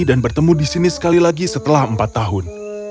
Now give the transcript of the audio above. bertemu di sini sekali lagi setelah empat tahun